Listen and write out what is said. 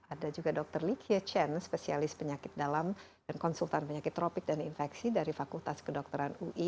ada juga dr likie chen spesialis penyakit dalam dan konsultan penyakit tropik dan infeksi dari fakultas kedokteran ui